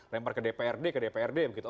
lempar ke dprd ke dprd begitu